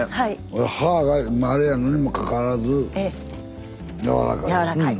俺歯が今あれやのにもかかわらず柔らかい。